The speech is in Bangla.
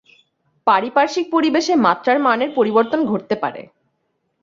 পারিপার্শ্বিক পরিবেশে মাত্রার মানের পরিবর্তন ঘটতে পারে।